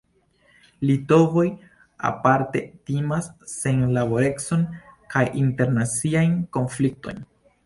Litovoj aparte timas senlaborecon kaj internaciajn konfliktojn.